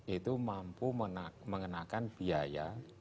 itu mampu mengenakan biaya